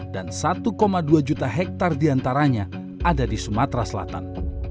dan satu dua juta hektar diantaranya ada di sumatera selatan